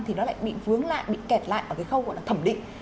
thì nó lại bị vướng lại bị kẹt lại ở cái khâu gọi là thẩm định